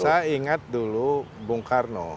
saya ingat dulu bung karno